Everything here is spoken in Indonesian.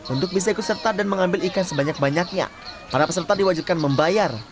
untuk bisa ikut serta dan mengambil ikan sebanyak banyaknya para peserta diwajibkan membayar